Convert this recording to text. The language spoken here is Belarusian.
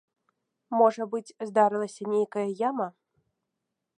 Можа быць, здарылася нейкая яма?